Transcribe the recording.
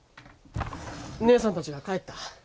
義姉さんたちが帰った。